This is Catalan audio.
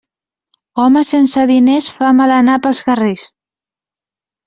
Home sense diners fa mal anar pels carrers.